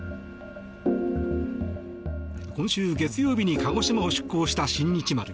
今週月曜日に鹿児島を出港した「新日丸」。